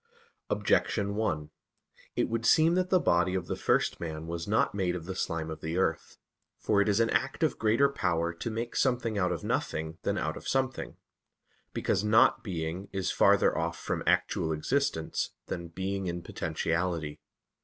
Objection 1: It would seem that the body of the first man was not made of the slime of the earth. For it is an act of greater power to make something out of nothing than out of something; because "not being" is farther off from actual existence than "being in potentiality."